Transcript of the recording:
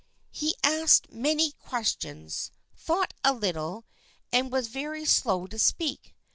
He asked many questions, thought a little, and was very slow to speak.